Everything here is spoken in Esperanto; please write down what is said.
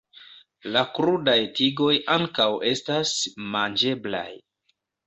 La krudaj tigoj ankaŭ estas manĝeblaj.